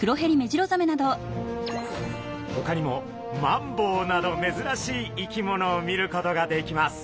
ほかにもマンボウなどめずらしい生き物を見ることができます。